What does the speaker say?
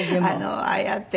ああやって。